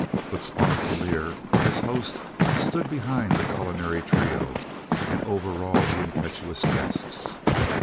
But Sponsilier, as host, stood behind the culinary trio, and overawed the impetuous guests.